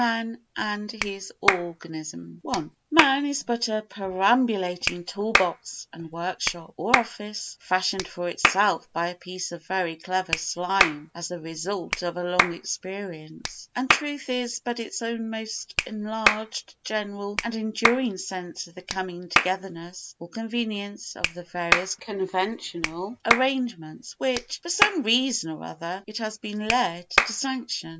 Man and His Organism i Man is but a perambulating tool box and workshop, or office, fashioned for itself by a piece of very clever slime, as the result of long experience; and truth is but its own most enlarged, general and enduring sense of the coming togetherness or convenience of the various conventional arrangements which, for some reason or other, it has been led to sanction.